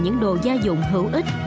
những đồ gia dụng hữu ích